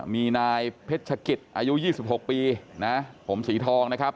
มีนายเพชรกิจอายุ๒๖ปีนะผมสีทองนะครับ